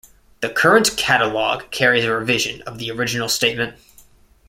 The current catalog carries a revision of the original statement.